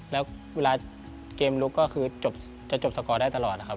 แล้วเวลาเกมลุกก็คือจะจบสกอร์ได้ตลอดนะครับ